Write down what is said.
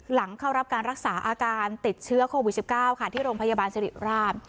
หลังเข้ารับการรักษาอาการติดเชื้อโควิด๑๙ค่ะที่โรงพยาบาลสิริราช